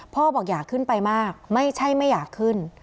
พ่อบอกอยากขึ้นไปมากไม่ใช่ไม่อยากขึ้น